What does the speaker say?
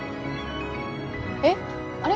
えっあれ？